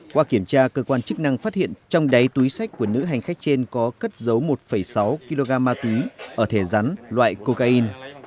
qua kiểm tra cơ quan chức năng phát hiện trong đáy túi sách của nữ hành khách trên có cất giấu một sáu kg ma túy ở thể rắn loại cocaine